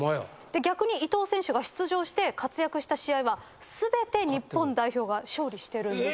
逆に伊東選手が出場して活躍した試合は全て日本代表が勝利してるんですよね。